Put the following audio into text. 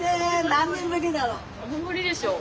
何年ぶりでしょう？